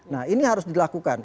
nah ini harus dilakukan